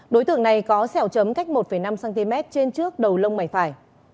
đối tượng này có xẻo chấm cách một năm cm trên trước đầu lông mảnh phải